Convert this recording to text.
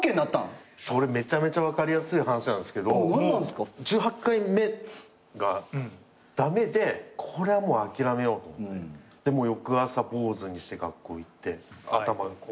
それめちゃめちゃ分かりやすい話なんですけど１８回目が駄目でこれはもう諦めようと思って翌朝坊主にして学校行って頭全部刈って。